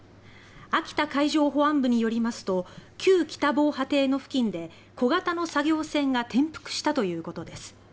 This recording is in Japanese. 秋田海上保安部によりますと旧北防波堤の付近で小型の作業船が転覆したということです。